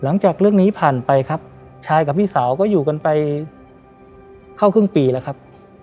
หลังจากเรื่องนี้ผ่านไปครับชายกับพี่สาวก็อยู่กันไปเข้าครึ่งปีแล้วครับ